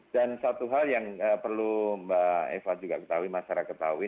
dan satu hal yang perlu mbak eva juga ketahui masyarakat ketahui